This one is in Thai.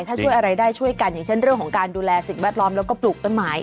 ถ้าช่วยอะไรได้ช่วยกันอย่างเช่นเรื่องของการดูแลสิ่งแวดล้อมแล้วก็ปลูกต้นไม้